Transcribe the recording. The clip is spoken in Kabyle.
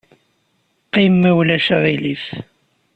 Qqim, ma ulac aɣilif.